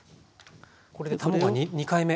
これで卵２回目。